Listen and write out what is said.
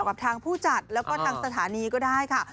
กับทางผู้จัดแล้วก็ทางสถานีก็ได้ค่ะ